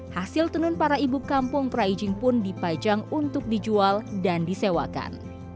hasil tenun para ibu kampung praijing pun dipajang untuk dijual dan disewakan